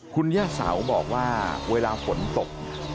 คุณย่าเสาบอกว่าเวลาฝนตก